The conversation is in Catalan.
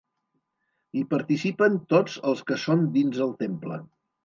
Hi participen tots els que són dins el temple.